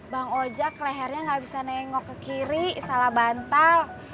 bang ojek lehernya nggak bisa nengok ke kiri salah bantal